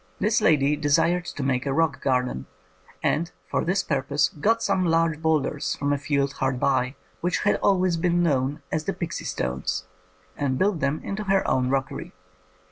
This lady desired to make a rock garden, and for this purpose got some large boulders from a field hard by, which had always been known as the pixie stones, and built them into her new rockery.